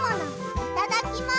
いただきます。